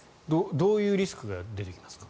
どういうリスクが出てきますか？